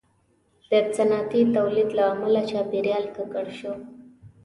• د صنعتي تولید له امله چاپېریال ککړ شو.